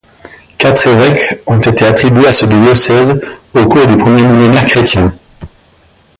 Quatre évêques ont été attribués à ce diocèse au cours du premier millénaire chrétien.